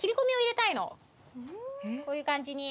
こういう感じに。